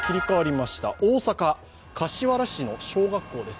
大阪・柏原市の小学校です。